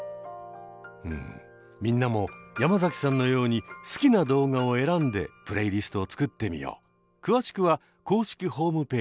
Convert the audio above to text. うんみんなも山崎さんのように好きな動画を選んでプレイリストを作ってみよう。